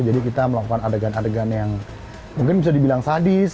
jadi kita melakukan adegan adegan yang mungkin bisa dibilang sadis